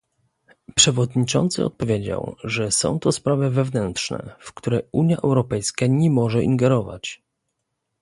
Przewodniczący odpowiedział, że są to sprawy wewnętrzne, w które Unia Europejska nie może ingerować